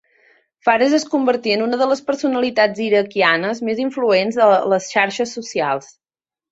Fares es convertí en una de les personalitats iraquianes més influents a les xarxes socials.